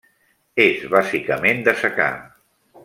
És bàsicament de secà.